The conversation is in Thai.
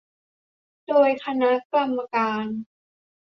โดยคณะกรรมการ